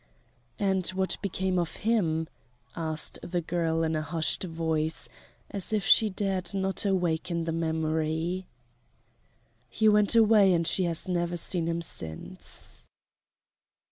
"And what became of him?" asked the girl in a hushed voice, as if she dared not awaken the memory. "He went away and she has never seen him since."